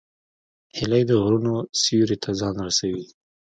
هیلۍ د غرونو سیوري ته ځان رسوي